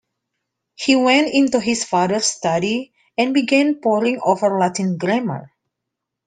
He went into his father's study and began poring over Latin grammar.